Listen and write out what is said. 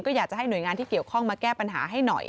ก็อยากจะให้หน่วยงานที่เกี่ยวข้องมาแก้ปัญหาให้หน่อย